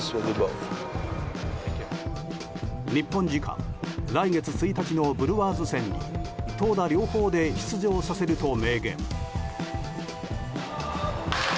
日本時間来月１日のブルワーズ戦に投打両方で出場させると明言。